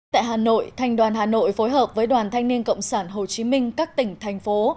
tại hà nội thành đoàn hà nội phối hợp với đoàn thanh niên cộng sản hồ chí minh các tỉnh thành phố